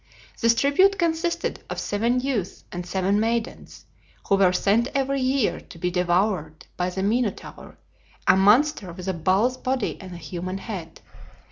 This tribute consisted of seven youths and seven maidens, who were sent every year to be devoured by the Minotaur, a monster with a bull's body and a human head.